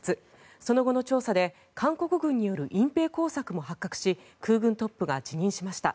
その後の調査で韓国軍による隠ぺい工作も発覚し空軍トップが辞任しました。